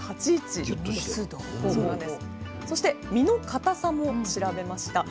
そして実の硬さも調べました。